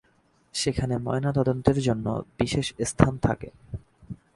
সেখানে ময়না তদন্তের জন্য বিশেষ স্থান থাকে।